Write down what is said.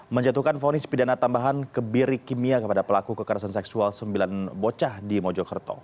menjatuhkan fonis pidana tambahan kebiri kimia kepada pelaku kekerasan seksual sembilan bocah di mojokerto